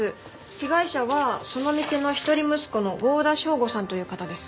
被害者はその店の一人息子の剛田祥吾さんという方です。